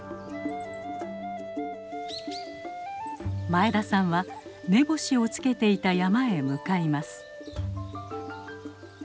前田さんは目星をつけていた山へ向かいます。